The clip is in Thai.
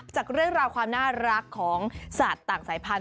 จากเรื่องราวความน่ารักของสัตว์ต่างสายพันธ